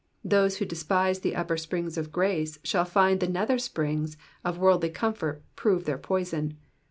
Those who despise the upper springs of grace, shall find the nether springs of worldly comfort prove their poison.